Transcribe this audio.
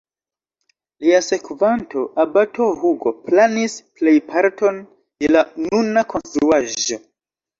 Lia sekvanto, abato Hugo, planis plejparton de la nuna konstruaĵo.